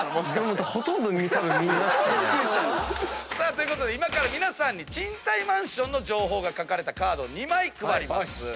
ということで今から皆さんに賃貸マンションの情報が書かれたカードを２枚配ります。